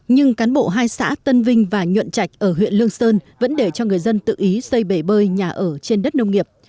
nhưng cán bộ hai xã tân vinh và nhuận trạch ở huyện lương sơn vẫn để cho người dân tự ý xây bể bơi nhà ở trên đất nông nghiệp